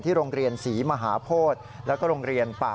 ที่โรงเรียนศรีมหาโพธิแล้วก็โรงเรียนปากศัตริย์